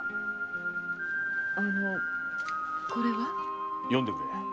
あのこれは？読んでくれ。